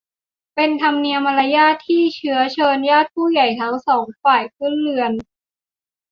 เป็นธรรมเนียมมารยาทที่เชื้อเชิญญาติผู้ใหญ่ทั้งสองฝ่ายขึ้นเรือน